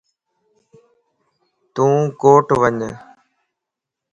تون ڪوٽ وج